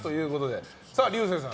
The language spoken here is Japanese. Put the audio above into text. さあ竜星さん。